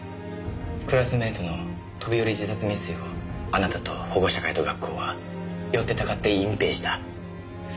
クラスメートの飛び降り自殺未遂をあなたと保護者会と学校はよってたかって隠蔽した。